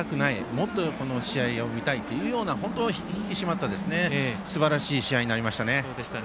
もっとこの試合を見たいというような本当に引き締まったすばらしい試合になりましたね。